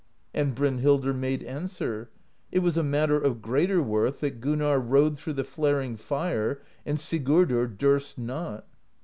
And Brynhildr made answer: ^It was a matter of greater worth that Gunnarr rode through the flaring fire and Sigurdr durst not.'